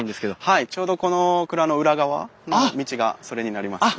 はいちょうどこの蔵の裏側の道がそれになりますね。